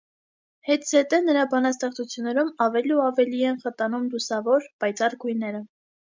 Հետզհետե նրա բանաստեղծություններում ավելի ու ավելի են խտանում լուսավոր, պայծառ գույները։